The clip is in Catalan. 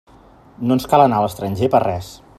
No ens cal anar a l'estranger per a res.